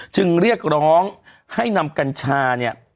จึงเรียกร้องให้นำกัญชาเนี่ย